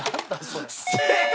正解！